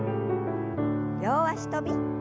両脚跳び。